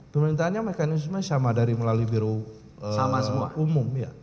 permintaannya mekanisme sama dari melalui biro umum